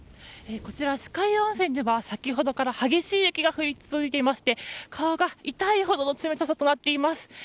こちら、酸ヶ湯温泉では先ほどから激しい雪が降り続いていまして顔が痛いほどの冷たさとなっています。